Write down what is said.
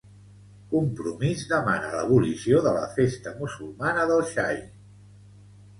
Compromís demana l'abolició de la Festa musulmana del Xai